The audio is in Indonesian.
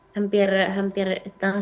hampir tanggal sembilan